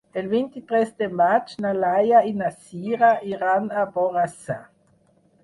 El vint-i-tres de maig na Laia i na Sira iran a Borrassà.